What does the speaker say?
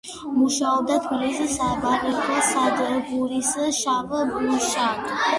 მუშაობდა თბილისის საბარგო სადგურის შავ მუშად.